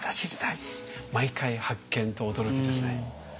毎回発見と驚きですね。